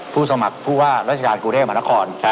ผู้สมัครผู้ว่ารัฐกาลกรุงเทพฯหมาตรคอน